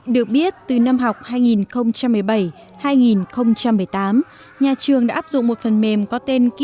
được biết từ năm học hai nghìn một mươi bảy hai nghìn một mươi tám nhà trường đã áp dụng một phần mềm có tổng hợp